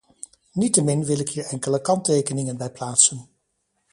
Niettemin wil ik hier enkele kanttekeningen bij plaatsen.